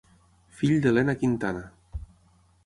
Fill d'Elena Quintana.